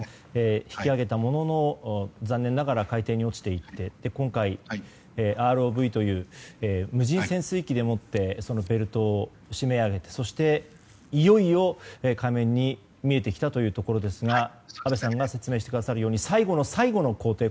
引き揚げたものの残念ながら海底に落ちていって今回、ＲＯＶという無人潜水機でもってそのベルトを締め上げてそしていよいよ海面に見えてきたというところですが安倍さんが説明してくださるように最後の最後の工程